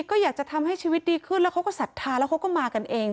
ก็อยากจะทำให้ชีวิตดีขึ้นแล้วเขาก็ศรัทธาแล้วเขาก็มากันเอง